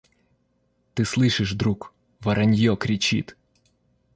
Ты слышишь, друг: воронье кричит.